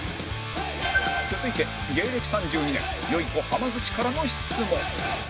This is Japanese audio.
続いて芸歴３２年よゐこ濱口からの質問